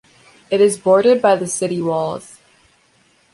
It is bordered by the city walls.